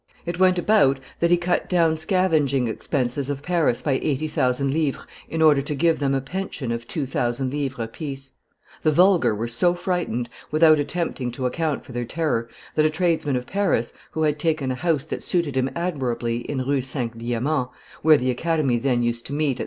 It went about that he cut down scavenging expenses of Paris by eighty thousand livres in order to give them a pension of two thousand livres apiece; the vulgar were so frightened, without attempting to account for their terror, that a tradesman of Paris, who had taken a house that suited him admirably in Rue Cinq Diamants, where the Academy then used to meet at M.